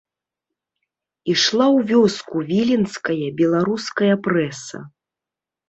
Ішла ў вёску віленская беларуская прэса.